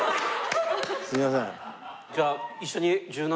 すいません。